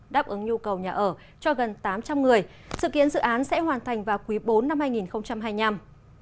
đáp ứng nhu cầu nhà ở cho gần tám trăm linh người sự kiến dự án sẽ hoàn thành vào quý bốn năm hai nghìn hai mươi năm